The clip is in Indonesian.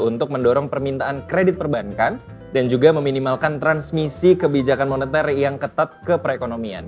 untuk mendorong permintaan kredit perbankan dan juga meminimalkan transmisi kebijakan moneter yang ketat ke perekonomian